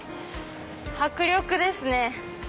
迫力ですね！